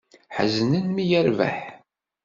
Ḥeznen mi yerbeḥ.